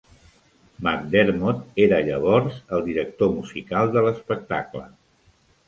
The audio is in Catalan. MacDermot era llavors el director musical de l'espectacle.